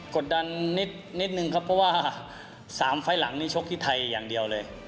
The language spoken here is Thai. กดดันนิดนึงครับเพราะว่า๓ไฟล์หลังนี้ชกที่ไทยอย่างเดียวเลย